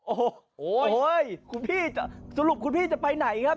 โอ้โหคุณพี่สรุปคุณพี่จะไปไหนครับ